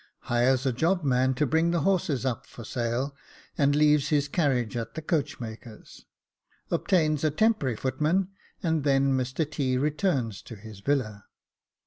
Hires a job man to bring the horses up for sale, and leaves his carriage at the coachmakers. Obtains a temporary footman, and then Mr T. returns to his villa.